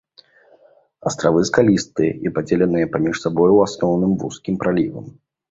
Астравы скалістыя і падзеленыя паміж сабой у асноўным вузкімі пралівамі.